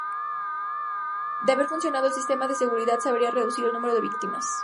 De haber funcionado el sistema de seguridad se habría reducido el número de víctimas.